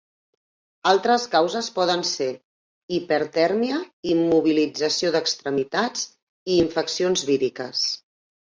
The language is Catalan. Altres causes poden ser: hipertèrmia, immobilització d'extremitats i infeccions víriques.